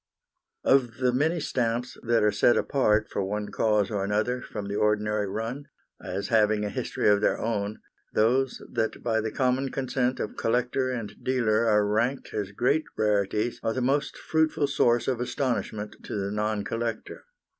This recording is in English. Of the many stamps that are set apart, for one cause or another, from the ordinary run, as having a history of their own, those that by the common consent of collector and dealer are ranked as great rarities are the most fruitful source of astonishment to the non collector.